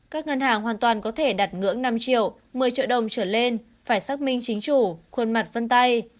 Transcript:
các ngân hàng hoàn toàn có thể đặt ngưỡng năm triệu một mươi triệu đồng trở lên phải xác minh chính chủ khuôn mặt vân tay